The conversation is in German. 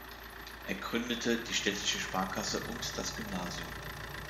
Er gründete die städtische Sparkasse und das Gymnasium.